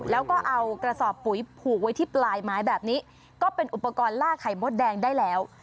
แล้วก็เอากระสอบปุ๋ยผูกไว้ที่ปลายไม้แบบนี้ก็เป็นอุปกรณ์ล่าไข่มดแดงได้แล้ว